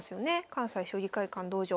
関西将棋会館道場。